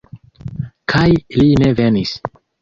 Kaj li ne venis!